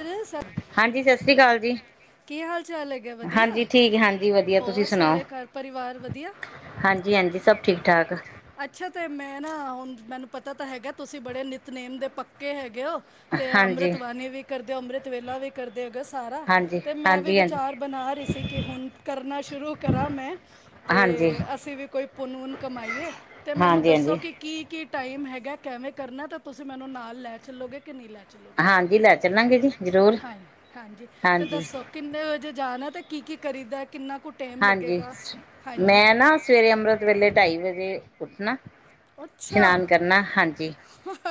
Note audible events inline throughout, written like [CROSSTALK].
ਅਰੇ ਸਰ ਹਾਂਜੀ ਸਤਿ ਸ੍ਰੀ ਅਕਾਲ ਜੀ ਕੀ ਹਾਲ ਚਾਲ ਹੈਗਾ ਵਧੀਆ ਹਾਂਜੀ ਠੀਕ ਹਾਂਜੀ ਵਧੀਆ ਤੁਸੀਂ ਹੋਰ ਸੁਣਾਓ ਸਾਰੇ ਘਰ ਪਰਿਵਾਰ ਵਧੀਆ ਹਾਂਜੀ ਹਾਂਜੀ ਸਭ ਠੀਕ ਠਾਕ ਅੱਛਾ ਤੇ ਮੈਂ ਨਾ ਹੁਣ ਮੈਨੂੰ ਪਤਾ ਤਾਂ ਹੈਗਾ ਤੁਸੀਂ ਬੜੇ ਨਿਤਨੇਮ ਦੇ ਪਕ ਪਕੇ ਹੈਗੇ ਓ ਤੇ ਹਾਂਜੀ ਹਾਂਜੀ ਅੰਮ੍ਰਿਤ ਬਾਣੀ ਵੀ ਕਰਦੇ ਅੰਮ੍ਰਿਤ ਵੇਲਾ ਵੀ ਕਰਦੇ ਹੈਗਾ ਸਾਰਾ ਹਾਂਜੀ ਤੇ ਮੈਂ ਵੀ ਹਾਂਜੀ ਵਿਚਾਰ ਬਣਾ ਰਹੀ ਸੀ ਕਿ ਹੁਣ ਕਰਨਾ ਸ਼ੁਰੂ ਕਰਾਂ ਮੈਂ ਤੇ ਹਾਂਜੀ ਹਾਂਜੀ ਅਸੀਂ ਵੀ ਕੋਈ ਪੁੰਨ ਪੁੁੁੰਨ ਕਮਾਈਏ ਤੇ ਮੈਨੂੰ ਦੱਸੋ ਹਾਂਜੀ ਕਿ ਕੀ ਕੀ ਟਾਈਮ ਹੈਗਾ ਕਵੇਂ ਕਰਨਾ ਤਾਂ ਤੁਸੀਂ ਮੈਨੂੰ ਨਾਲ ਲੈ ਚੱਲੋਗੇ ਕਿ ਨਹੀਂ ਲੈ ਚੱਲੋਗੇ ਹਾਂਜੀ ਲੈ ਚੱਲਾਂਗੇ ਜੀ ਜ਼ਰੂਰ ਹਾਂ ਹਾਂਜੀ ਤੇ ਹਾਂਜੀ ਦੱਸੋ ਕਿੰਨੇ ਵਜੇ ਜਾਣਾ ਤੇ ਕੀ ਕੀ ਕਰੀਦਾ ਕਿੰਨਾ ਕੁ ਟਾਈਮ ਹਾਂਜੀ ਲੱਗੇਗਾ ਹਾਂਜੀ ਮੈਂ ਨਾ ਸਵੇਰੇ ਅੰਮ੍ਰਿਤ ਵੇਲੇ ਢਾਈ ਵਜੇ ਉੱਠਣਾ ਅੱਛਾ ਇਸ਼ਨਾਨ ਕਰਨਾ ਹਾਂਜੀ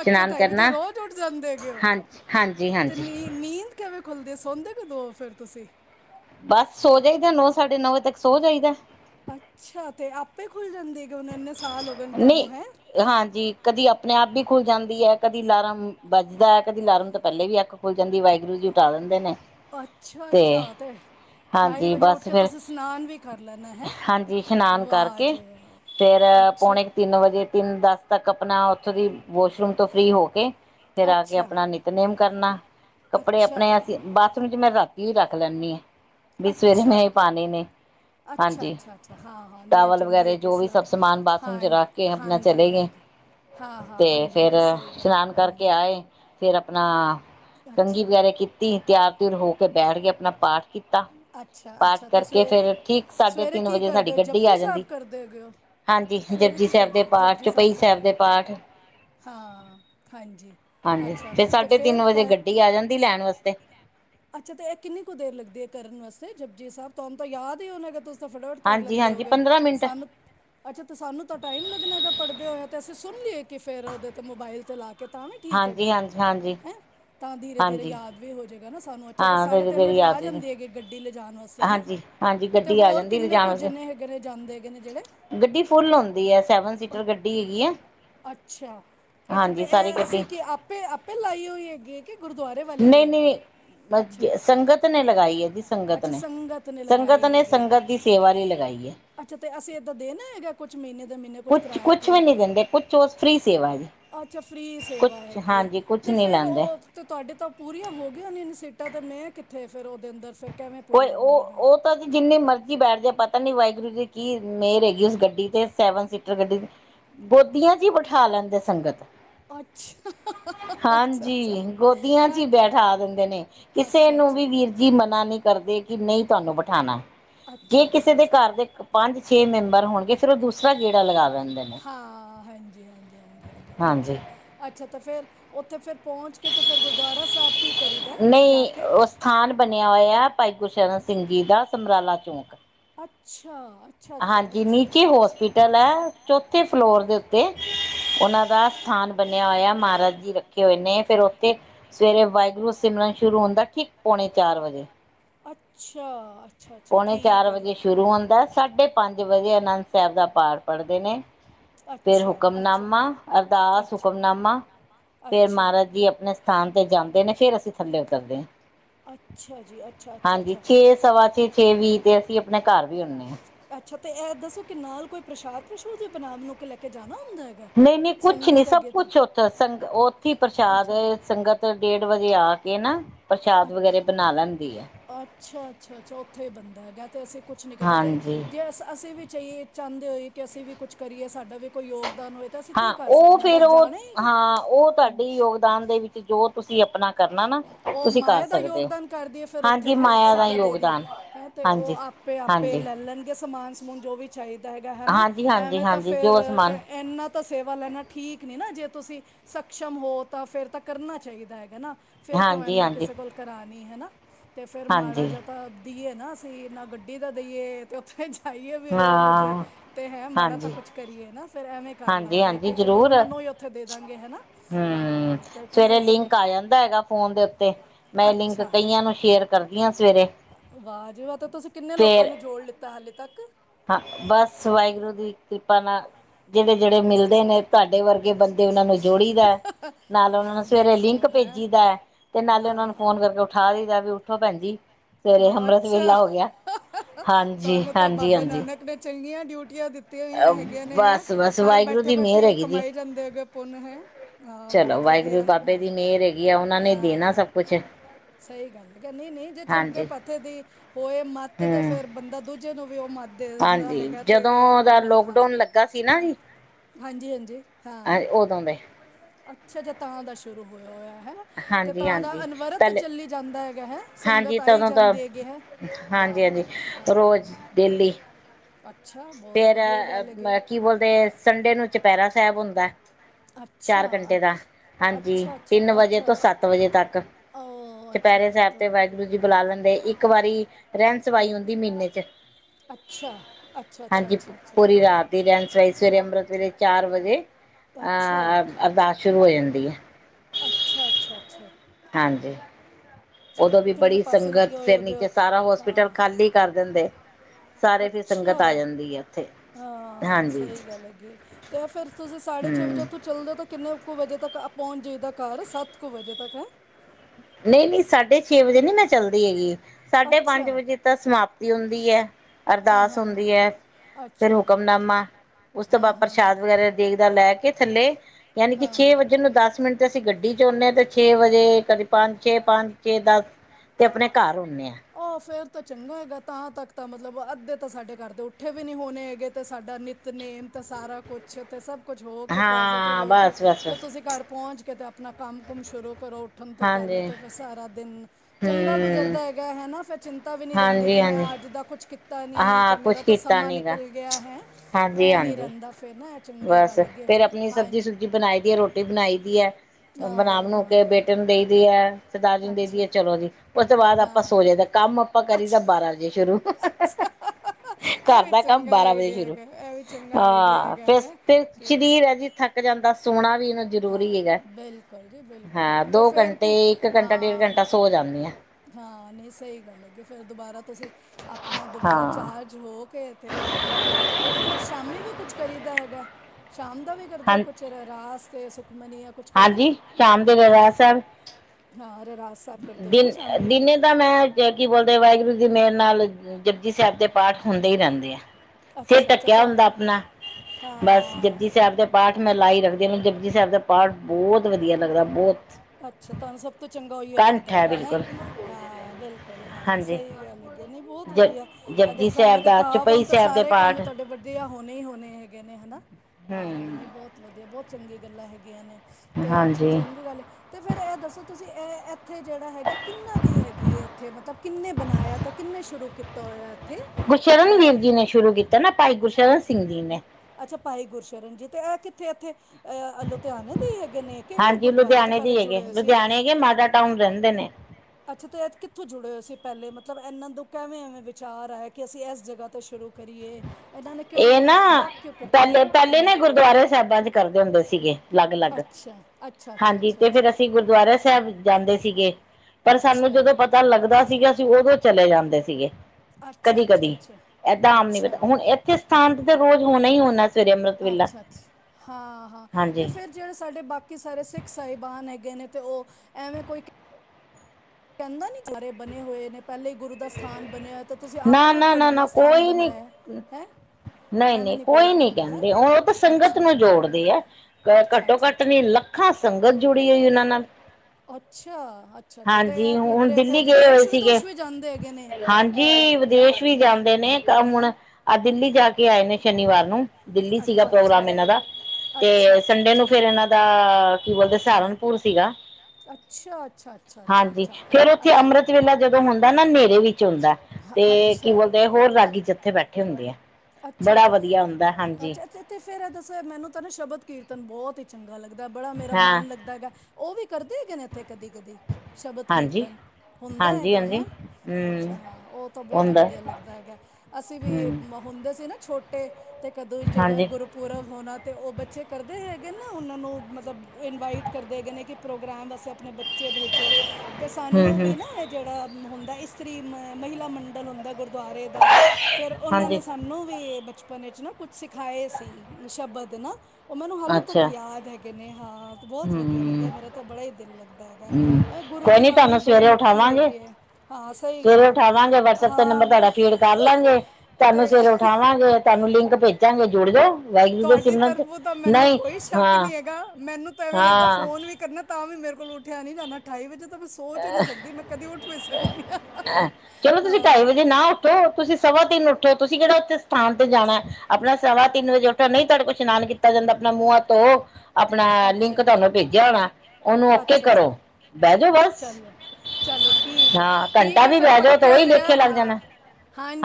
ਅੱਛਾ ਢਾਈ ਵਜੇ ਕਰਨਾ ਰੋਜ਼ ਉੱਠ ਜਾਂਦੇ ਹੈਗੇ ਹੋ ਹਾਂਜੀ ਹਾਂਜੀ ਹਾਂ ਤੇ ਨੀਂ ਨੀਂਦ ਕਵੇਂ ਖੁੱਲਦੇ ਸੌਦੇ ਕ ਦੋ ਫਿਰ ਤੁਸੀਂ ਬਸ ਸੋ ਜਾਈਦਾ ਨੌ ਸਾਢੇ ਨੌ ਵਜੇ ਤੱਕ ਸੌ ਜਾਈਦਾ ਅੱਛਾ ਤੇ ਆਪੇ ਖੁੱਲ ਜਾਂਦੇ ਹੈਗੇ ਉਹਨੇ ਇੰਨੇ ਸਾਲ ਹੋ ਗਏ ਨਹੀਂ ਤੁਹਾਨੂੰ ਹੈਂ ਹਾਂਜੀ ਕਦੀ ਆਪਣੇ ਆਪ ਵੀ ਖੁੱਲ ਜਾਂਦੀ ਹੈ ਕਦੀ ਅਲਾਰਮ ਬੱਜਦਾ ਕਦੀ ਅਲਾਰਮ ਤਾਂ ਪਹਿਲੇ ਵੀ ਅੱਖ ਖੁੱਲ ਜਾਂਦੀ ਵਾਹਿਗੁਰੂ ਜੀ ਉਠਾ ਦਿੰਦੇ ਨੇ ਅੱਛਾ ਅੱਛਾ ਤੇ ਢਾਈ ਹਾਂਜੀ ਵਜੇ ਉੱਠ ਬਸ ਕੇ ਫਿਰ ਤੁਸੀਂ ਇਸ਼ਨਾਨ ਵੀ ਕਰ ਲੈਣਾ ਹੈ ਹਾਂਜੀ ਇਸ਼ਨਾਨ ਵਾਹ ਕਰਕੇ ਜੀ ਵਾਹ ਫੇਰ ਪੌਣੇ ਕ ਤਿੰਨ ਵਜੇ ਤਿੰਨ ਦਸ ਤੱਕ ਆਪਣਾ ਉੱਥੋਂ ਦੀ ਵਾਸ਼ਰੂਮ ਤੋਂ ਫ੍ਰਰੀ ਹੋ ਕੇ ਫੇਰ ਆ ਕੇ ਆਪਣਾ ਨਿਕ ਨਿਤਨੇਮ ਕਰਨਾ ਕੱਪੜੇ ਅੱਛਾ ਆਪਣੇ ਅਸੀਂ ਬਾਥਰੂਮ 'ਚ ਮੈਂ ਰਾਤੀ ਵੀ ਰੱਖ ਲੈਂਦੀ ਵੀ ਸਵੇਰੇ ਅੱਛਾ ਮੈਂ ਇਹ ਪਾਉਣੇ ਨੇ ਅੱਛਾ ਹਾਂਜੀ ਅੱਛਾ ਹਾਂ ਹਾਂ ਨਹੀਂ ਆ ਟਾਵਲ ਚੰਗੀ ਵਗੈਰਾ ਹੈਗੀ ਜੋ ਵੀ ਸਲਾਹ ਸਭ ਸਮਾਨ ਬਾਥ ਆਸਮ 'ਚ ਹਾਂ ਰੱਖ ਕੇ ਆਪਣਾ ਹਾਂਜੀ ਚਲੇ ਗਏ ਹਾਂਜੀ ਹਾਂ ਹਾਂ ਤੇ ਹਾਂਜੀ ਫੇਰ ਹਾਂਜੀ ਸਹੀ ਗੱਲ ਇਸ਼ਨਾਨ ਕਰਕੇ ਹੂੰ ਆਏ ਫੇਰ ਆਪਣਾ ਕੰੰਘੀ ਅੱਛਾ ਵਗੈਰਾ ਕੀਤੀ ਤਿਆਰ ਤਿਉਰ ਹੋ ਕੇ ਬੈਠ ਗਏ ਆਪਣਾ ਪਾਠ ਕੀਤਾ ਅੱਛਾ ਪਾਠ ਅੱਛਾ ਤੇ ਕਰਕੇ ਸਵੇ ਫੇਰ ਠੀਕ ਸਾਢੇ ਸਵੇਰੇ ਤਿੰਨ ਕੀ ਵਜੇ ਕਰਦੇ ਸਾਡੀ ਹੋ ਗੱਡੀ ਜਪਜੀ ਆ ਸਾਹਿਬ ਜਾਂਦੀ ਕਰਦੇ ਹੈਗੇ ਹੋ ਹਾਂਜੀ ਸਵੇਰੇ ਜਪਜੀ ਕੀ ਸਾਹਿਬ ਦੇ ਕਰਦੇ ਪਾਠ ਜਬਜੀ ਸਾਹਿਬ ਚੌਪਈ ਕਰਦੇ ਦੇ ਪਾਠ ਹਾਂ ਹਾਂਜੀ। ਹਾਂਜੀ ਅੱਛਾ ਤੇ ਸਾਢੇ ਫੇਰ ਤਿੰਨ ਕ, ਵਜੇ ਸਾਡੇ ਗੱਡੀ ਆ ਤਿੰਨ ਜਾਂਦੀ ਵਜੇ ਲੈਣ ਗੱਡੀ ਆ ਵਾਸਤੇ ਜਾਂਦੀ ਲੈਣ। ਅੱਛਾ ਤੇ ਇਹ ਕਿੰਨੀ ਕੁ ਦੇਰ ਲੱਗਦੀ ਹੈ ਕਰਨ ਵਾਸਤੇ ਜਪਜੀ ਸਾਹਿਬ ਤੁਹਾਨੂੰ ਤਾਂ ਯਾਦ ਹੀ ਹੋਣਾ ਤੁਸੀਂ ਫਟਾਫਟ ਕਰ ਹਾਂਜੀ ਲੈਂਦੇ ਹੋ ਹਾਂਜੀ ਗਏ ਪੰਦਰਾਂ ਮਿੰਟ ਸਾਨੂੰ ਅੱਛਾ ਤੇ ਸਾਨੂੰ ਤਾਂ ਟਾਈਮ ਲੱਗਣਾ ਹੈਗਾ ਪੜਦੇ ਹੋਏ ਆ ਤੇ ਅਸੀਂ ਸੁਣ ਲਈਏ ਕਿ ਫੇਰ ਉਹਦੇ ਤੇ ਮੋਬਾਇਲ ਤੇ ਲਾ ਕੇ ਤਾਂ ਵੀ ਠੀਕ ਹਾਂਜੀ ਹੈਗਾ, ਹਾਂਜੀ ਹਾਂਜੀ ਹੈਂ। ਤਾਂ ਧੀਰੇ- ਧੀਰੇ ਹਾਂਜੀ ਯਾਦ ਵੀ ਹੋਜਏਗਾ ਨਾ ਸਾਨੂੰ ਅੱਛਾ ਤਾਂ ਹਾਂ ਸਾਢੇ ਤੇਰੀ ਤਿੰਨ ਤੇਰੀ ਵਜੇ ਆ ਯਾਦ ਵੀ ਜਾਂਦੀ ਹੈਗੇ ਗੱਡੀ ਲਿਜਾਣ ਵਾਸਤੇ। ਹੈਂ ਹਾਂਜੀ ਹਾਂਜੀ ਤੇ ਗੱਡੀ ਆ ਹੋਰ ਜਾਂਦੀ ਕਿੰਨੇ ਲਿਜਾਣ ਕੁੱ ਵਾਸਤੇ ਜਣੇ ਹੈਗੇ ਨੇ ਜਾਂਦੇ ਹੈਗੇ ਨੇ ਜਿਹੜੇ। ਗੱਡੀ ਫੁੱਲ ਹੋਂਦੀ ਹੈ ਸੈਵਨ ਸੀਟਰ ਗੱਡੀ ਹੈਗੀ ਆ। ਅੱਛਾ- ਅੱਛਾ ਤੇ ਇਹ ਗੱਡੀ ਅਸੀਂ ਕਿ ਆਪੇ- ਆਪੇ ਲਾਈ ਹੋਈ ਹੈਗੀ। ਕੀ ਗੁਰਦੁਆਰੇ ਵਾਲਿਆਂ ਦੇ ਨਹੀਂ ਨਹੀਂ ਹੈਗੇ ਹੈ। ਅੱਛਾ ਸੰਗਤ ਨੇ ਲਗਾਈ ਹੈ ਜੀ ਸੰਗਤ ਅੱਛਾ ਨੇ ਸੰਗਤ ਨੇ ਸੰਗਤ ਲਗਾਈ ਨੇ ਹੈਗੀ ਹੈ ਸੰਗਤ ਦੀ ਸੇਵਾ ਲਈ ਲਗਾਈ ਹੈ। ਅੱਛਾ ਤੇ ਅਸੀਂ ਇੱਦਾਂ ਦੇਣਾ ਹੈਗਾ ਕੁਛ ਮਹੀਨੇ ਦੇ ਮਹੀਨੇ ਕੁਛ ਕਰਾਇਆ ‌ਕਰੁਆ। ਉੱਥੇ ਕੁਛ ਉਸੋ ਫ੍ਰੀ ਸੇਵਾ। ਜੀ ਅੱਛਾ ਫ੍ਰੀ ਕੁਛ ਸੇਵਾ ਹੈਗੀ ਐ ਹਾਂਜੀ ਕੁਛ ਤੇ ਨਹੀਂ ਫੇਰ ਲੈਂਦੇ ਉਹ ਤੇ ਤੁਹਾਡੇ ਤਾਂ ਪੂਰੀਆਂ ਹੋ ਗਈਆਂ ਨੇ ਇ ਸੀਟਾਂ ਤੇ ਮੈਂ ਕਿੱਥੇ ਫੇਰ ਉਹਦੇ ਅੰਦਰ ਫੇਰ ਕੋਈ ਉਹ- ਉਹ ਤਾਂ ਜਿੰਨੀ ਮਰਜ਼ੀ ਬੈਠਦੇ ਆ ਪਤਾ ਨੀ ਵਾਹਿਗੁਰੂ ਦੀ ਕੀ ਮੇਹਰ ਹੈਗੀ ਐ ਉਸ ਗੱਡੀ ਤੇ ਸੈਵਨ ਸੀਟਰ ਗੱਡੀ ਤੇ ਗੋਧੀਆਂ 'ਚ ਹੀ ਬਿਠਾ ਲੈਂਣ ਦੇ ਸੰਗਤ। ਅੱਛਾ, ਅੱਛਾ, ਹਾਂਜੀ ਅੱਛਾ, ਗੋਦੀਆਂ ਚ ਹੀ ਅੱਛ ਬੈਠਾ ਦਿੰਦੇ ਨੇ ਅੱਛਾ, ਅੱਛਾ। ਕਿਸੇ ਅੱਛਾ, ਨੂੰ ਵੀ ਵੀਰ ਜੀ ਮਨਾ ਨਹੀਂ ਕਰਦੇ ਕਿ ਨਹੀਂ ਤੁਹਾਨੂੰ ਬਿਠਾਣਾ। ਜੇ ਅੱਛਾ, ਕਿਸੇ ਅੱਛਾ, ਦੇ ਅੱਛਾ। ਘਰ ਦੇ ਪੰਜ- ਛੇ ਮੈਂਬਰ ਹੋਣਗੇ ਫੇਰ ਉਹ ਦੂਸਰਾ ਗੇੜਾ ਲਗਾ ਦਿੰਦੇ ਨੇ। ਹਾਂਜੀ, ਹਾਂ ਹਾਂਜੀ, ਹਾਂਜੀ- ਹਾਂਜੀ ਅੱਛਾ- ਅੱਛਾ ਤਾਂ ਫੇਰ ਉੱਥੇ ਫੇਰ ਪਹੁੰਚ ਕੇ ਤਾਂ ਫੇਰ ਗੁਰਦੁਆਰਾ ਸਾਹਿਬ ਕੀ ਕਰੀਦਾ ਜਾ ਨਹੀਂ ਕੇ? ਉਹ ਸਥਾਨ ਬਣਿਆ ਹੋਇਆ ਹੈ, ਭਾਈ ਗੁਰਸ਼ਰਨ ਸਿੰਘ ਜੀ ਦਾ ਸਮਰਾਲਾ ਚੌਂਕ। ਅੱਛਾ। ਅੱਛਾ, ਅੱਛਾ, ਹਾਂਜੀ ਅੱਛਾ, ਨੀਚੇ ਅੱਛਾ। ਹੋਸਪਿਟਲ ਹੈ, ਚੌਥੇ ਫਲੋਰ ਦੇ ਉੱਤੇ। ਉਹਨਾਂ ਦਾ ਸਥਾਨ ਬਣਿਆ ਹੋਇਆ ਮਹਾਰਾਜ ਜੀ ਰੱਖੇ ਹੋਏ ਨੇ, ਫੇਰ ਉੱਥੇ ਸਵੇਰੇ ਵਾਹਿਗੁਰੂ ਸਿਮਰਨ ਸ਼ੁਰੂ ਹੁੰਦਾ ਠੀਕ ਪੌਣੇ ਚਾਰ ਵਜੇ। ਅੱਛਾ। ਅੱਛਾ ਅੱਛਾ ਪੌਣੇ ਠੀਕ ਚਾਰ ਹੈਗਾ ਵਜੇ ਸ਼ੁਰੂ ਹੁੰਦਾ, ਸਾਢੇ ਪੰਜ ਵਜੇ ਅਨੰਦ ਸਾਹਿਬ ਦਾ ਪਾਠ ਪੜਦੇ ਨੇ। ਫੇਰ ਅੱਛਾ ਅੱਛਾ ਹੁਕਮਨਾਮਾ, ਅਰਦਾਸ, ਅੱਛਾ ਹੁਕਮਨਾਮਾ ਫੇਰ ਅੱਛਾ ਮਹਾਰਾਜ ਜੀ ਆਪਣੇ ਸਥਾਨ ਤੇ ਜਾਂਦੇ ਨੇ ਫੇਰ ਅਸੀਂ ਥੱਲੇ ਉਤਰਦੇ ਹਾਂ। ਅੱਛਾ ਜੀ ਅੱਛਾ- ਅੱਛਾ, ਹਾਂਜੀ ਅੱਛਾ ਛੇ ਤੇ ਸਵਾ ਛੇ, ਛੇ ਵੀਹ ਤੇ ਅਸੀਂ ਆਪਣੇ ਘਰ ਵੀ ਹੁੰਦੇ ਹਾਂ। ਅੱਛਾ ਤੇ ਇਹ ਦੱਸੋ ਕਿ ਨਾਲ ਕੋਈ ਪ੍ਰਸ਼ਾਦ ਪ੍ਰਸ਼ੂਦ ਬਣਾ ਬਨੂੰ ਲੈ ਕੇ ਜਾਣਾ ਹੁੰਦਾ ਹੈ? ਨਹੀਂ- ਨਹੀਂ ਕੁਛ ਨਹੀਂ ਸਭ ਕੁਛ ਉੱਥੇ ਸੰਗ ਉੱਥੇ ਪ੍ਰਸ਼ਾਦ ਅੱਛਾ ਸੰਗਤ ਡੇਢ ਵੱਜੇ ਆ ਕੇ ਪ੍ਰਸ਼ਾਦ ਅੱਛ ਵਗੈਰਾ ਬਣਾ ਲੈ ਅੱਛਾ- ਅੱਛਾ, ਅੱਛਾ ਉੱਥੇ ਬੰਦਾ ਹੈਗਾ ਤੇ ਅਸੀਂ ਕੁਛ ਨੀ ਕਰਨਾ ਤੇ ਹਾਂਜੀ ਜੇ ਅ ਅਸੀਂ ਵੀ ਚਾਹੀਏ ਚਾਹੁੰਦੇ ਹੋਏ ਕਿ ਅਸੀਂ ਵੀ ਕੁਛ ਕਰੀਏ ਸਾਡਾ ਵੀ ਕੋਈ ਯੋਗਦਾਨ ਹੋਏ। ਤਾਂ ਅਸੀਂ ਕੀ ਹਾਂ ਕਰ ਉਹ ਸਕਦੇ ਹਾਂ ਫੇਰ ਬਸ ਉਹ ਜਾਣਾ ਹੀ ਹੈਗਾ ਹਾਂ ਉਹ ਹੂੰ ਤੁਹਾਡੀ ਯੋਗਦਾਨ ਦੇ ਵਿੱਚ ਜੋ ਤੁਸੀਂ ਆਪਣਾ ਕਰਨਾ ਨਾ ਉਹ ਤੁਸੀਂ ਕਰ ਮਾਇਆ ਦਾ ਸਕਦੇ ਹੋ। ਯੋਗਦਾਨ ਕਰਦੀਏ ਫੇਰ ਉੱਥੇ ਹਾਂਜੀ ਹੈਂ, ਮਾਇਆ ਦਾ ਸਿੱਧਾ ਦੇ ਦੀਏ ਯੋਗਦਾਨ ਹੈਂ ਤੇ ਉਹ ਹਾਂਜੀ। ਆਪ ਤੇ ਆਪੇ ਹਾਂਜੀ, ਲੈ ਲੈਣਗੇ ਸਮਾਨ ਸਮੂਨ ਜੋ ਵੀ ਚਾਹੀਦਾ ਹੈਗਾ ਹੈਨਾ, ਹਾਂਜੀ, ਹਾਂਜੀ, ਐਵੇਂ ਤਾਂ ਹਾਂਜੀ ਫੇਰ ਜੋ ਸਮਾਨ ਇਨਾ ਤਾਂ ਸੇਵਾ ਲੈਣਾ ਠੀਕ ਨਹੀਂ ਨਾ ਜੇ ਤੁਸੀਂ ਸਸ਼ਮ ਹੋ ਤਾਂ ਫੇਰ ਤਾਂ ਕਰਨਾ ਚਾਹੀਦਾ ਹੈਗਾ ਨਾ। ਫੇਰ ਕਿਉਂ ਹਾਂਜੀ, ਇਨੀ ਹਾਂਜੀ, ਕਿਸੇ ਕੋਲ ਕਰਾਣੀ ਹੈਨਾ, ਤੇ ਫੇਰ ਮਾੜਾ ਹਾਂਜੀ। ਜਾਂ ਤਾਂ ਦੇਈਏ ਨਾ ਅਸੀਂ ਨਾ ਗੱਡੀ ਦਾ ਦੇਈਏ ਤੇ ਉੱਥੇ ਖਾਈਏ ਵੀ ਰੋਜ਼ ਹਾਂ ਤੇ ਹੈ ਮਾੜਾ ਤਾਂ ਹਾਂਜੀ ਕੁਛ ਕਰੀਏ ਨਾ। ਫਿਰ ਐਵੇਂ ਕਰ ਹਾਂਜੀ ਲਾਂਗੇ ਹਾਂਜੀ ਕਿ ਚਲੋ ਜ਼ਰੂਰ ਓਨਾਂ ਨੂੰ ਈ ਓਥੇ ਦੇ ਦਾਂਗੇ ਹਨਾ ਹਮ ਹਾਂ ਤੇ ਸਵੇਰੇ ਠੀਕ ਹੈਗਾ ਲਿੰਕ ਆ ਜਾਂਦਾ ਹੈਗਾ ਫੋਨ ਦੇ ਉੱਤੇ ਮੈਂ ਲਿੰਕ ਅੱਛਾ ਕਈਆਂ ਨੂੰ ਸ਼ੇਅਰ ਕਰਦੀ ਆਂ ਸਵੇਰੇ। ਵਾਹ ਜੀ ਵਾਹ ਤੇ ਤੁਸੀਂ ਕਿੰਨੇ ਲੋਕਾਂ ਫੇਰ ਨੂੰ ਜੋੜ ਲਿੱਤਾ ਹਾਲੇ ਤੱਕ? ਹਾਂ ਬਸ ਵਾਹਿਗੁਰੂ ਦੀ ਕਿਰਪਾ ਨਾਲ [UNINTELLIGIBLE] ਜੇੜੇ ਜੇੜੇ ਮਿਲਦੇ ਨੇ ਤੁਹਾਡੇ ਵਰਗੇ ਬੰਦੇ ਓਨਾਂ ਨੂੰ ਜੋੜੀਦਾ। ਨਾਲ ਓਨਾ ਨੂੰ ਹਾਂ ਸਵੇਰੇ ਦੇਖੋ ਲਿੰਕ ਹੈਂ ਭੇਜੀ ਦਾ ਤੇ ਨਾਲੇ ਓਨਾਂ ਨੂੰ ਹਾਂ ਫੋਨ ਕਰਕੇ ਉਠਾ ਦਈਦਾ ਵੀ ਉਠੋ ਪੈਣ ਜੀਂ। ਸਵੇਰੇ ਹਾਂ ਅੰਮ੍ਰਿਤ ਅੱਛਾ ਵੇਲਾ ਹੋ ਗਿਆ, ਹਾਂਜੀ ਤੁਹਾਨੂੰ ਤਾਂ ਹਾਂਜੀ। ਬਾਬੇ ਹਾਂਜੀ ਨਾਨਕ ਨੇ ਚੰਗੀਆਂ ਡਿਊਟੀਆਂ ਦਿੱਤੀਆਂ ਹੋਈਆਂ ਹੈਗੀਆਂ ਨੇ ਹੈ। ਬਸ ਬਸ ਘਰ ਵਾਹਿਗੁਰੂ ਬੈਠੇ ਦੀ ਮਿਹਰ ਬੈਠੇ ਹੈਗੀ ਜੀ ਕਮਾਏ ਜਾਂਦੇ ਹੈਗੇ ਪੁੰਨ ਹੈਂ। ਹਾਂ, ਚਲੋ ਬੋਤ ਵਾਹਿਗੁਰੂ ਵਧੀਆ ਬਾਬੇ ਹਾਂ, ਦੀ ਮਿਹਰ ਹੈਗੀ ਆ ਉਹਨਾਂ ਨੇ ਹਾਂ। ਦੇਣਾ ਸਭ ਕੁਛ ਸਈ ਗੱਲ ਏ, ਨਈ-ਨਈ ਜੇ ਚੰਗੇ ਹਾਂਜੀ ਪ ਪਾਸੇ ਦੀ ਹੋਏ ਮੱਤ ਤੇ ਹੂੰ ਫੇਰ ਬੰਦਾ ਦੂਜੇ ਨੂੰ ਵੀ ਓ ਮੱਤ ਦੇ ਦਿੰਦਾ ਹਾਂਜੀ ਹੈਗਾ ਤੇ ਜਦੋਂ ਓਦਾ ਲੋਕਡਾਊਨ ਲੱਗਾ ਸੀ ਨਾ ਜੀ। ਹਾਂਜੀ-ਹਾਂਜੀ ਹਾਂ, ਉਦੋਂ ਦੇ ਅੱਛਾ-ਅੱਛਾ ਤਾਂ ਦਾ ਸ਼ੁਰੂ ਹੋਇਆ ਹੋਇਆ ਹੈ। ਤੇ ਹਾਂਜੀ ਤਾਂ ਦਾ ਹਾਂਜੀ ਅਨਵਰਤ ਪਹਿਲੇ ਚੱਲੀ ਜਾਂਦਾ ਹੈਗਾ ਹੈ। ਸੰਗਤ ਹਾਂਜੀ ਆਈ ਤਦੋਂ ਤਾਂ ਜਾਂਦੀ ਹੈਗੀ ਹੈ ਹਾਂਜੀ, ਵਾਹ ਹਾਂਜੀ ਰੋਜ਼ ਹਾਂ ਡੇਲੀ। ਅੱਛਾ ਬਹੁਤ ਫੇਰ ਵਧੀਆ ਗੱਲ ਹੈਗੀ ਹੈ ਕੀ ਹੂੰ ਬੋਲਦੇ ਸੰਡੇ ਨੂੰ ਚੁਪਹਿਰਾ ਸਾਹਿਬ ਹੁੰਦੈ। ਅੱਛਾ ਚਾਰ ਘੰਟੇ ਦਾ, ਅੱਛ ਹਾਂਜੀ ਅੱਛਾ ਤਿੰਨ ਵਜੇ ਤੋਂ ਸੱਤ ਵਜੇ ਤੱਕ। ਓਹ ਅੱਛਾ ਚੁਪਹਿਰੇ ਅੱਛਾ। ਸਾਹਿਬ ਤੇ ਬੁਲਾ ਵਾਹਿਗੁਰੂ ਜੀ ਬੁਲਾ ਲੈਂਦੇ, ਇੱਕ ਵਾਰੀ ਰਹਿਣ ਸਵਾਈ ਹੂੰ ਹੁੰਦੀ ਮਹੀਨੇ ਚ। ਅੱਛਾ ਅੱਛਾ ਅੱਛਾ ਹਾਂਜੀ ਅੱਛਾ ਅੱਛਾ ਪੂਰੀ ਰਾਤ ਦੀ ਰਹਿਣ ਸਵਾਈ ਸਵੇਰੇ ਅੰਮ੍ਰਿਤ ਸਵੇਰੇ ਚਾਰ ਵਜੇ ਅੱਛਾ। ਅ ਅਰਦਾਸ ਸ਼ੁਰੂ ਹੋ ਜਾਂਦੀ ਐ। ਅੱਛਾ, ਅੱਛਾ, ਅੱਛਾ। ਹਾਂਜੀ। ਅੱਛਾ, ਉਦੋਂ ਵੀ ਚੰਗੇ ਬੜੀ ਪਾਸੇ ਲੱਗੇ ਸੰਗਤ ਹੋਏ ਫਿਰ ਹੈਗੇ ਓ ਨੀਚੇ ਸਾਰਾ ਹੋਸਪਿਟਲ ਹਾਂ। ਖਾਲੀ ਕਰ ਦਿੰਦੇ ਸਾਰੇ ਫਿਰ ਅੱਛਾ, ਸੰਗਤ ਆ ਜਾਂਦੀ ਹੈ ਉੱਥੇ ਹਾਂ ਹਾਂਜੀ ਸਈ ਗੱਲ ਹੈਗੀ। ਤੇ ਫੇਰ ਤੁਸੀਂ ਸਾਡੇ ਛੇ ਵਜੇ ਹਮ ਓਥੋਂ ਚੱਲਦੇ ਓ ਤੇ ਕਿੰਨੇ ਕੁ ਵਜੇ ਤੱਕ ਪਹੁੰਚ ਜਾਈਦਾ ਘਰ ਸੱਤ ਕੁ ਵਜੇ ਤੱਕ ਹੈ। ਨਈ ਨਈ ਸਾਢੇ ਛੇ ਵਜੇ ਨੀ ਮੈਂ ਚੱਲਦੀ ਹੈਗੀ, ਸਾਢੇ ਪੰਜ ਅੱਛਾ ਵਜੇ ਤਾਂ ਸਮਾਪਤੀ ਹੁੰਦੀ ਐ। ਹਾਂ ਅਰਦਾਸ ਹਾਂ ਹਾਂ ਹੁੰਦੀ ਐ, ਫ਼ਿਰ ਅੱਛਾ ਹੁਕਮਨਾਮਾ। ਉਸ ਤੋਂ ਹਾਂ ਬਾਅਦ ਹਾਂ ਪ੍ਰਸ਼ਾਦ ਵਗੈਰਾ ਦੇਗ ਦਾ ਲੈ ਕੇ ਥੱਲੇ ਯਾਨੀ ਕਿ ਛੇ ਵੱਜਨ ਨੂੰ ਦਸ ਮਿੰਟ ਤੇ ਅਸੀਂ ਗੱਡੀ ਚ ਹੋਨੇ ਆ ਤੇ ਛੇ ਵਜੇ ਕਦੇ ਪੰਜ, ਛੇ, ਪੰਜ ਛੇ ਦਸ ਤੇ ਅਪਨੇ ਘਰ ਹੁੰਨੇ ਆ। ਓ ਫੇਰ ਤਾਂ ਚੰਗਾ ਹੈਗਾ ਤਾਂ ਤੱਕ ਤਾਂ ਮਤਲਬ ਅੱਧੇ ਤਾਂ ਸਾਡੇ ਘਰ ਦੇ ਉੱਠੇ ਵੀ ਨੀ ਹੋਨੇ ਹੈਗੇ ਤੇ ਸਾਡਾ ਨਿਤ ਤਨੇਮ ਤਾਂ ਸਾਰਾ ਕੁਛ ਓਥੇ ਸਭ ਕੁਛ ਹੋ ਕੇ, ਪੋਜ਼ੀਟਿਵ ਹਾਂ ਹੋ ਕੇ ਬਸ ਬਸ ਅਤੇ ਬਸ ਤੁਸੀਂ ਘਰ ਪੋਚ ਕੇ ਤੇ ਅਪਨਾ ਕੰਮ ਕੁਮ ਸ਼ੁਰੂ ਕਰੋ। ਉੱਠਣ ਤੋਂ ਪਹਿਲੇ ਹਾਂਜੀ ਤਾਂ ਫਿਰ ਸਾਰਾ ਦਿਨ ਚੰਗਾ ਹਮ ਗੁਜ਼ਰਦਾ ਹੈਗਾ ਹੈਨਾ ਫ਼ਿਰ ਚਿੰਤ ਤਾ ਵੀ ਨਹੀ ਰਹਿੰਦੀ ਕਿ ਹਾਂਜੀ ਮੈਂ ਹਾਂਜੀ ਅੱਜ ਦਾ ਕੁੱਛ ਕੀਤ ਤਾ ਨੀ ਹਾਂ ਤੇ ਮੇਰਾ ਕੁਛ ਤਾਂ ਕੀਤਾ ਸਮਾਂ ਨੀ ਗਾ ਨਿਕਲ ਗਿਆ ਹੈ, ਹਾਂਜੀ ਐ ਨੀ ਹਾਂਜੀ ਰਹਿੰਦਾ ਫੇਰ ਨਾ। ਚੰਗੀ ਬਸ ਗੱਲ ਹੈਗੀ ਫ਼ਿਰ ਅਪਨੀ ਸਬਜ਼ੀ ਹਾਂਜੀ ਸੁਬਜੀ ਬਨਾਈ ਦੀ ਐ, ਰੋਟੀ ਬਨਾਈ ਦੀ ਐ ਬਨਾ ਆਹੋ ਬਨੂ ਹਾਂ ਕੇ ਬੇ ਟੇ ਨੂੰ ਦੇਈਦੀ ਐ ਸਰਦਾਰ ਜੀ ਨੂੰ ਦੇਈਦੀ ਅੱਛਾ ਐ, ਚਲੋ ਜੀ। ਉਸ ਤੋਂ ਬਾਦ ਆਪਾਂ ਸੋ ਹਾਂ ਜਾਇਦੈ, ਕੰਮ ਆਪਾਂ ਕਰੀ ਦੈ ਬਾਰਾਂ ਵਜੇ ਸ਼ੁਰੂ। ਅੱਛਾ ਅੱਛਾ ਇਹ ਘਰ ਵੀ ਦਾ ਕੰਮ ਚੰਗਾ ਬਾਰਾਂ ਵਜੇ ਆਈਡੀਆ ਸ਼ੁਰੂ, ਹੈਗਾ ਇਹ ਵੀ ਚੰਗਾ ਆਈਡੀਆ ਹਾਂ। ਹੈਗਾ ਹੈ ਫੇਰ-ਫੇਰ ਕਿ ਸਰੀਰ ਐ ਜੀ, ਥੱਕ ਜਾਂਦਾ। ਸੋਣਾ ਵੀ ਇਹਨੇ ਹਾਂ ਜ਼ਰੂਰੀ ਹੈਗਾ‌‌। ਬਿਲਕੁਲ ਜੀ ਹਾਂ, ਬਿਲਕੁਲ ਤੇ ਦੋ ਫੇਰ ਘੰਟੇ, ਕੀ ਇੱਕ ਘੰਟਾ, ਡੇਢ ਹਾਂ ਘੰਟਾ ਸੋ ਜਾਂਨੀ ਆ। ਹਾਂ। ਨਹੀਂ ਸਹੀ ਗੱਲ ਹੈਗੀ‌‌। ਫ਼ਿਰ ਦੁਬਾਰਾ ਤੁਸੀਂ ਆਪਣਾ ਦੁਬਾਰਾ ਹਾਂ ਚਾਰਜ ਹੋ ਕੇ ਤੇ ਆਪਣਾ ਦੁਬਾਰਾ ਕਰੀਦਾ ਤੇ ਫੇਰ ਸ਼ਾਮੀ ਵੀ ਕੁੱਛ ਕਰੀਦਾ ਹੈਗਾ, ਸ਼ਾਮ ਦਾ ਵੀ ਕਰਦੇ ਹਾਂ ਓ ਕੁਛ, ਰਹਿਰਾਸ ਤੇ ਸੁਖਮਨੀ ਜਾਂ ਕੁਛ ਕਰਦੇ ਓ, ਹਾਂਜੀ ਹਾਂ। ਸ਼ਾਮ ਦੇ ਹਾਂ, ਰਹਿਰਾਸ। ਸਾਹਿਬ ਕਰਦੇ ਹੋ ਨਾ ਸ਼ਾਮੀ ਵੀ ਦਿਨ-ਦਿਨੇ ਤਾਂ ਮੈਂ ਕੀ ਬੋਲਦੇ ਵਾਹਿਗੁਰੂ ਦੀ ਮਿਹਰ ਨਾਲ, ਜਪੁਜੀ ਸਾਹਿਬ ਦੇ ਪਾਠ ਹੁੰਦੇ ਈ ਰਹਿੰਦੇ ਆ। ਜਾਂਦੇ ਆ। ਸਿਰ ਅੱਛਾ ਅੱਛਾ ਢੱਕਿਆ ਤਾਂ ਹੁੰਦਾ ਆਪਣਾ, ਬਸ ਜਪਜੀ ਹਾਂ ਸਾਹਿਬ ਦੇ ਪਾਠ ਮੈਂ ਲਾਈ ਰੱਖਦੀ। ਮੈਨੂੰ ਜਪਜੀ ਸਾਹਿਬ ਦਾ ਪਾਠ ਬੋਤ ਵਧੀਆ ਲੱਗਦਾ, ਬੋਤ ਅੱਛਾ, ਤੁਹਾਨੂੰ ਸਭ ਤੋਂ ਚੰਗਾ ਉਹੀ ਲੱਗਦਾ ਹੈਗਾ ਹੈ। ਬਿਲਕੁਲ ਹਾਂ, ਬਿਲਕੁਲ ਹਾਂ, ਹਾਂਜੀ ਸਹੀ ਗੱਲ ਹੈਗੀ। ਨਹੀਂ ਬਹੁਤ ਜ ਵਧੀਆ। ਇਹ ਜਪਜੀ ਦੇਖੋ ਐਵੇਂ ਸਾਹਿਬ ਦੇ ਦਾ ਭਾਵ ਹੋਣ ਚੌਪਈ ਤੇ ਸਾਹਿਬ ਦੇ ਸਾਰੇ ਕੰਮ ਪਾਠ ਤੁਹਾਡੇ ਵੱਡੇ ਵਧੀਆ ਹੋਨੇ ਈ ਹੋਨੇ ਹੈਗੇ ਨੇ ਹਨਾ। ਹਾਂ-ਹਾਂ ਹੂੰ ਨਹੀਂ ਬਹੁਤ ਵਧੀਆ, ਬਹੁਤ ਚੰਗੀ ਗੱਲਾਂ ਹੈਗੀਆਂ ਨੇ। ਤੇ ਅੱਛਾ ਹਾਂਜੀ ਚੰਗੀ ਗੱਲ ਏ ਤੇ ਫਿਰ ਐਹ ਦੱਸੋ ਤੁਸੀਂ ਐਹ ਇੱਥੇ ਜਿਹੜਾ ਹੈਗਾ ਕਿੰਨਾ ਦੀ ਹੈਗੀ ਏ ਇੱਥੇ, ਮਤਲਬ ਕਿੰਨੇ ਬਨਾਇਆ ਤੇ ਕਿੰਨੇ ਸ਼ੁਰੂ ਕਿਤ ਤੋ ਹੋਇਆ ਐਥੇ। ਗੁਰਸ਼ਰਨ ਵੀਰ ਐ ਜੀ ਨੇ ਸ਼ੁਰੂ ਕੀਤਾ ਨਾ ਭਾਈ ਗੁਰਸ਼ਰਨ ਸਿੰਘ ਜੀ ਨੇ। ਅੱਛਾ, ਭਾਈ ਗੁਰਸ਼ਰਨ ਜੀ ਤੇ ਇਹ ਕਿੱਥੇ ਇੱਥੇ ਐਹ ਆ ਲੁਧਿਆਣੇ ਦੇ ਹੈਗੇ ਨੇ, ਕਿਹੜੇ ਹਾਂਜੀ ਗੁਰਦੁਆਰੇ ਤੋਂ ਲੁਧਿਆਣੇ ਪਹਿਲੇ ਦੀ ਹੈਗੇ ਜੁੜੇ ਹੋਏ ਸੀ ਇਹ। ਹੈਗੇ ਮਾਡਾ ਲੁਧਿਆਣੇ ਦੇ ਮਾਡਲ ਰਹਿੰਦੇ ਟਾਊਨ ਨੇ ਰਹਿੰਦੇ। ਅੱਛਾ, ਤਾਂ ਐਹ ਕਿੱਥੋਂ ਜੁੜੇ ਹੋਏ ਸੀ ਪਹਿਲੇ ਮਤਲਬ, ਇਹਨਾਂ ਨੂੰ ਕਿਵੇਂ ਐਵੇਂ ਵਿਚਾਰ ਆਇਆ, ਕਿ ਅਸੀਂ ਐਸ ਜਗ੍ਹਾ ਤੋਂ ਸ਼ੁਰੂ ਕਰੀਏ। ਇਹਨਾਂ ਨੇ ਕਿਉਂ ਇਹ ਐਵੇਂ ਨਾ ਵੱਖ ਕਿਉਂ ਕੀਤਾ ਪਹਿਲੇ-ਪਹਿਲੇ ਹਮ ਨਾ ਗੁਰਦੁਆਰੇ ਸਾਹਿਬਾਂ 'ਚ ਕਰਦੇ ਹੁੰਦੇ ਸੀਗੇ। ਅਲੱਗ-ਅਲੱਗ ਅੱਛਾ ਅੱਛਾ ਅੱਛਾ ਹਾਂਜੀ ਅੱਛਾ ਤੇ ਅੱਛਾ ਫਿਰ ਅਸੀਂ ਗੁਰਦੁਆਰਾ ਸਾਹਿਬ ਜਾਂਦੇ ਸੀਗੇ। ਪਰ ਅੱਛਾ ਸਾਨੂੰ ਜਦੋਂ ਪਤਾ ਤਾਂ ਲੱਗਦਾ ਸੀਗਾ, ਅਸੀਂ ਉਦੋਂ ਚਲੇ ਜਾਂਦੇ ਸੀਗੇ। ਅੱਛਾ ਅੱਛਾ ਕਦੀ-ਕਦੀ ਏਦਾਂ ਆਮ ਨੀ ਅੱਛਾ ਪਤਾ ਅੱਛਾ ਹੁਣ ਇਸ ਸਥਾਨ ਤੇ ਰੋਜ਼ ਹੋਨਾ ਈ ਹੋਨਾ ਸਵੇਰੇ ਅੰਮ੍ਰਿਤ ਵੇਲਾ, ਅੱਛਾ ਅੱਛਾ ਹਾਂ ਹਾਂ ਤੇ ਹਾਂਜੀ। ਫਿਰ ਜਿਹੜੇ ਸਾਡੇ ਬਾਕੀ ਸਾਰੇ ਸਿੱਖ ਸਾਹਿਬਾਨ ਹੈਗੇ ਨੇ ਤੇ ਉਹ ਐਵੇਂ ਕੋਈ ਕਹਿੰਦਾ ਨੀ ਸਾਰੇ ਬਨੇ ਹੋਏ ਨੇ, ਪਹਿਲੇ ਈ ਗੁਰੂ ਦਾ ਸਥਾਨ ਬਨਿਆ ਨਾ-ਨਾ, ਨਾ-ਨਾ ਕੋਈ ਨੀ ਹੈ ਐਵੇਂ ਨਹੀਂ-ਨਹੀਂ ਨਹੀਂ ਕੋਈ ਨੀ ਕਹਿੰਦਾ ਹੈ ਕਹਿੰਦੇ, ਉਹ ਤੇ ਸੰਗਤ ਅੱਛਾ ਅੱਛਾ ਨੂੰ ਜੋੜਦੇ ਆ, ਅੱਛਾ ਅੱਛਾ ਘੱਟੋ-ਘੱਟ ਅੱਛਾ ਨੀ ਲੱਖ ਲੱਖਾਂ ਸੰਗਤ ਜੁੜੀ ਹੋਈ ਉਹਨਾਂ ਨਾਲ। ਅੱਛਾ, ਅੱਛਾ-ਅੱਛਾ ਤੇ ਜੀ, ਇਹ ਹੁਣ ਕਿਧਰੇ ਇੱਥੇ ਦਿੱਲੀ ਗਏ ਹੋਏ ਵਿਦੇਸ਼ ਸੀਗੇ। ਵਿਦੋਸ਼ ਵੀ ਜਾਂਦੇ ਹੈਗੇ ਨੇ ਹਾਂਜੀ। ਜੀ, ਹੈ ਵਿਦੇਸ਼ ਵੀ ਹੂੰ ਜਾਂਦੇ ਨੇ, ਹੈ ਹੁਣ ਆਹ ਦਿੱਲੀ ਜਾ ਕੇ ਆਏ ਨੇ ਸ਼ਨੀਵਾਰ ਨੂੰ। ਦਿੱਲੀ ਸੀਗਾ ਅੱਛਾ ਅੱਛਾ ਪ੍ਰੋਗਰਾਮ ਇਹਨਾਂ ਦਾ ਅੱਛਾ ਤੇ ਅੱਛਾ ਸੰਡੇ ਅੱਛਾ ਨੂੰ ਫਿਰ ਇਹਨਾਂ ਦਾ ਕੀ ਬੋਲਦੇ ਸਾਰਨ ਹਮ। ਪੂਰ ਸੀਗਾ। ਅੱਛਾ, ਅੱਛਾ-ਅੱਛਾ ਅੱਛਾ-ਅੱਛਾ। ਫਿਰ ਉੱਥੇ ਅੰਮ੍ਰਿਤ ਵੇਲਾ ਜਦੋਂ ਹੁੰਦਾ ਨਾ, ਨ੍ਹੇਰੇ ਵਿੱਚ ਹੁੰਦਾ। ਹਾਂ ਤੇ ਕੀ ਅੱਛਾ ਬੋਲਦੇ ਹੋਰ ਰਾਗੀ ਜੱਥੇ ਬੈਠੇ ਹੁੰਦੇ ਆ। ਅੱਛਾ ਬੜਾ ਅੱਛਾ ਵਧੀਆ ਹੁੰਦਾ ਹਾਂਜੀ। ਅੱਛਾ ਅੱਛਾ ਤੇ ਫਿਰ ਇਹ ਦੱਸੋ ਮੈਨੂੰ ਤਾਂ ਨਾ ਸ਼ਬਦ ਕੀਰਤਨ ਬਹੁਤ ਈ ਚੰਗਾ ਲੱਗਦਾ। ਬੜਾ ਮੇਰਾ ਹਾਂ ਮਨ ਲੱਗਦਾ ਹੈਗਾ। ਉਹ ਵੀ ਕਰਦੇ ਹੈਗੇ ਨੇ ਇੱਥੇ ਕਦੀ-ਕਦੀ, ਸ਼ਬਦ ਹਾਂਜੀ ਕੀਰਤਨ ਹੁੰਦਾ ਹਾਂਜੀ ਹੈਗਾ ਹੈਂ। ਹਾਂਜੀ ਹਮ ਅੱਛਾ ਹਾਂ, ਉਹ ਤਾਂ ਬਹੁਤ ਈ ਹੁੰਦਾ ਵਧੀਆ ਲੱਗਦਾ ਹੈਗਾ। ਅਸੀਂ ਵੀ ਏ ਹਮ ਹੁੰਦੇ ਸੀ ਨਾ ਛੋਟੇ ਤੇ ਕਦੋਂ ਜਦੋਂ ਹਾਂਜੀ ਗੁਰਪ ਪੁਰਬ ਹੋਣਾ ਤੇ ਉਹ ਬੱਚੇ ਕਰਦੇ ਹੈਗੇ ਨਾ, ਉਹਨਾਂ ਨੂੰ ਮਤਲਬ, ਇਨਵਾਈਟ ਕਰਦੇ ਹੈਗੇ ਨੇ ਕਿ ਪ੍ਰੋਗਰਾਮ ਵਾਸਤੇ ਆਪਣੇ ਬੱਚੇ ਭੇਜੋ ਤੇ ਹਮ ਸਾਨੂੰ ਹਮ ਵੀ ਨਾ ਇਹ ਜਿਹੜਾ, ਹੁੰਦਾ ਇਸਤਰੀ, ਮਹਿਲਾ ਮੰਡਲ ਹੁੰਦਾ ਗੁਰ ਦੁਆਰੇ ਦਾ, ਫਿਰ ਉਹਨਾਂ ਨੇ ਹਾਂਜੀ ਸਾਨੂੰ ਵੀ ਬਚਪਨ ਵਿੱਚ ਨਾ ਕੁਛ ਸਿਖਾਏ ਸੀ ਸ਼ਬਦ ਨਾ, ਉਹ ਮੈਨੂੰ ਹਲੇ ਤੱਕ ਅੱਛਾ ਯਾਦ ਹੈਗ ਗੇ ਨੇ ਹਾਂ, ਬਹੁਤ ਵਧੀਆ ਲੱਗਦਾ ਹਮ ਹੈਗਾ, ਮੇਰਾ ਤਾਂ ਬੜਾ ਈ ਦਿਲ ਲੱਗਦਾ ਹੈਗਾ। ਹਮ ਗੁਰੂ ਕੋਈ ਦੀ ਨੀ ਬਾਣੀ ਤੁਹਾਨੂੰ ਬੜੀ ਸਵੇਰੇ ਮਿੱਠੀ ਉਠਾਵਾਂਗੇ, ਹੈਗੀ ਹੈ ਹਾਂ ਸਹੀ ਗੱਲ ਸਵੇਰੇ ਹੈ ਉਠਾਵਾਂਗੇ ਵਟਸਐਪ ਤੇ ਨੰਬਰ ਹਾਂ ਤੁਹਾਡਾ ਫੀਡ ਕਰ ਲਾਂਗੇ। ਤੁਹਾਨੂੰ ਤੇ ਸਵੇਰੇ ਉਠਾਵਾਂਗੇ, ਤੁਹਾਨੂੰ ਲਿੰਕ ਭੇਜਾਂਗੇ ਜੁੜ ਜਾਏ, ਵਾਹਿਗੁਰੂ ਦੇ ਸਿਮਰਨ'ਚ, ਨਹੀਂ ਤੱਕ ਹਾਂ ਨਹੀ ਹੈਗਾ, ਮੈਨੂੰ ਤਾਂ ਐਵੇਂ ਲੱਗਦਾ ਹਾਂ ਫੋਨ ਵੀ ਕਰਨਾ ਤਾਂ ਵੀ ਮੇਰੇ ਕੋਲ ਉੱਠਿਆ ਨਹੀ ਜਾਣਾ, ਠਾਈ ਵਜੇ ਮੈਂ ਸੋਚ ਈ ਨਹੀ ਸਕਦੀ, ਮੈਂ ਕਦੇ ਉਠ ਵੀ ਸਕਣੀ ਆ, ਹੈਂ, ਚਲੋ ਤੁਸੀਂ ਢਾਈ ਹਾਂ। ਵਜੇ ਨਾ ਉੱਠੋ ਤੁਸੀਂ ਸਵਾ ਤਿੰਨ ਉਠੋ, ਤੁਸੀਂ ਕਿਹੜਾ ਉੱਥੇ ਸਥਾਨ ਤੇ ਜਾਣਾ, ਅਪਣਾ ਸਵਾ ਤਿੰਨ ਵਜੇ ਉੱਠੋ, ਨਹੀਂ ਤੁਹਾਡੇ ਕੋਲ ਇਸ਼ਨਾਨ ਕੀਤਾ ਜਾਂਦਾ ਅਪਣਾ ਮੂੰਹ-ਹੱਥ ਧੋਓ ਅਪਣਾ ਲਿੰਕ ਅੱਛਾ ਤੁਹਾਨੂੰ ਭੇਜਿਆ ਹੋਣਾ, ਉਹਨੂੰ ਓਕੇ ਅੱਛਾ ਅੱਛਾ ਕਰੋ ਬਹਿਜੋ ਬਸ। ਚਲੋ ਚਲੋ ਠੀਕ ਏ, ਹਾਂ ਠੀਕ ਘੰਟਾ ਏ ਵੀ ਫਿਰ ਬਹਿ ਜਾਓ ਤਾਂ ਪੱਕਾ ਉਹੀ ਰਿਹਾ, ਲੇਖੇ ਲੱਗ ਹਾਂ, ਜਾਣਾ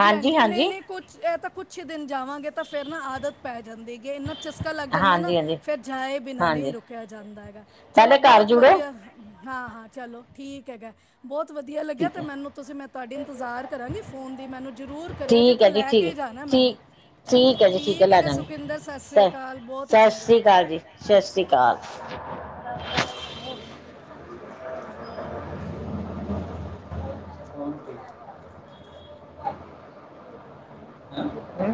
ਹਾਂਜੀ ਹਾਂਜੀ ਨਹੀਂ-ਨਹੀਂ ਕੁਛ ਇਹ ਤਾਂ ਕੁਛ ਈ ਦਿਨ ਜਾਵਾਂਗੇ ਤਾਂ ਫਿਰ ਨਾ ਆਦਤ ਪੈ ਜਾਂਦੀ, ਗੇ ਨਾਂ ਚਸਕਾ ਲੱਗ ਜਾਂਦਾ ਨਾ, ਹਾਂਜੀ ਫਿਰ ਜਾਏ ਬਿਨਾਂ ਹਾਂਜੀ ਨਹੀਂ ਹਾਂਜੀ ਰੁਕਿਆ ਜਾਂਦਾ ਹੈਗਾ, ਚਲੋ ਪਹਿਲੇ ਘਰ ਬਹੁਤ ਜੁੜੋ ਵਧੀਆ। ਹਾਂ-ਹਾਂ, ਚਲੋ, ਠੀਕ ਹੈਗਾ। ਬਹੁਤ ਵਧੀਆ ਲੱਗਿਆ, ਠੀਕ ਤੇ ਹੈ ਮੈਨੂੰ ਤੁਸੀਂ ਮੈਂ ਤੁਹਾਡੀ ਇੰਤਜ਼ਾਰ ਕਰਾਂਗੀ ਫੋਨ ਦੀ, ਮੈਨੂੰ ਜ਼ਰੂਰ ਕਰਿਓ ਜੇ ਠੀਕ ਤਾਂ ਹੈ ਜੀ ਠੀਕ ਲੈਕੇ ਜਾ ਹੈ ਠੀਕ, ਠੀਕ ਹੈ ਜੀ ਠੀਕ ਹੈ, ਲੈਜਾਂਗੇ, ਸੁਖਿੰਦਰ ਸਤਿ ਸ੍ਰੀ ਸ ਅਕਾਲ ਬਹੁਤ ਹੀ ਸਤਿ ਚੰਗਾ ਸ਼੍ਰੀ ਲੱਗਿਆ ਅਕਾਲ ਜੀ, ਸਤਿ ਸ਼੍ਰੀ ਅੱਛਾ ਜੀ ਅਕਾਲ। ਆਹ ਓਕੇ, ਓਕੇ [INAUDIBLE] ਮੈਮ ਉਠੇ?